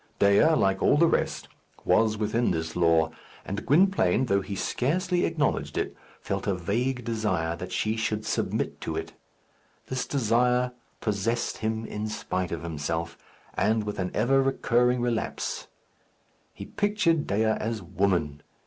Dea, like all the rest, was within this law; and Gwynplaine, though he scarcely acknowledged it, felt a vague desire that she should submit to it. This desire possessed him in spite of himself, and with an ever recurring relapse. He pictured Dea as woman.